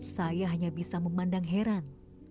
saya hanya bisa memandang heran